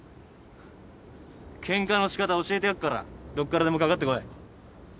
ケンカのしかた教えてやっからどっからでもかかってこい。